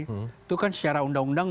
itu kan secara undang undang